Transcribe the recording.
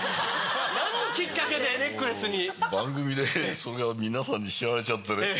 何のきっかけでネックレスに。